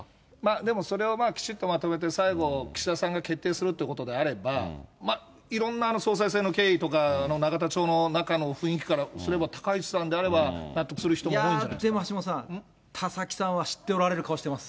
でもそれはきちっとまとめて、最後、岸田さんが決定するってことであれば、まあ、いろんな総裁選のけいいとか、永田町の中の雰囲気からすれば、高市さんであれば、納得する人もでも、橋下さん、田崎さんは知っておられる顔してます。